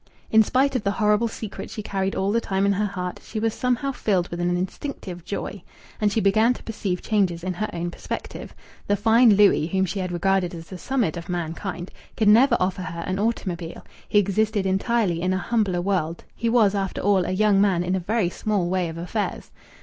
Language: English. In spite of the horrible secret she carried all the time in her heart, she was somehow filled with an instinctive joy. And she began to perceive changes in her own perspective. The fine Louis, whom she had regarded as the summit of mankind, could never offer her an automobile; he existed entirely in a humbler world; he was, after all, a young man in a very small way of affairs.